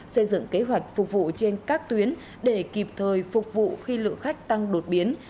xây dựng kế hoạch phục vụ trên các tuyến để kịp thời phục vụ khi lượng khách tăng đột biến